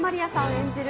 演じる